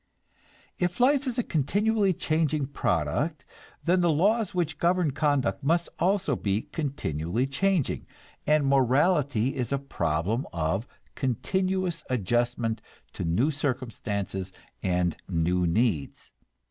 If life is a continually changing product, then the laws which govern conduct must also be continually changing, and morality is a problem of continuous adjustment to new circumstances and new needs.